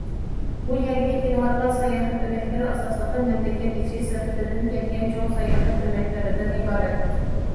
بۇ يەرگە كېلىۋاتقان ساياھەت ئۆمەكلىرى ئاساسلىقى مەملىكەت ئىچى، سىرتىدىن كەلگەن چوڭ ساياھەت ئۆمەكلىرىدىن ئىبارەت.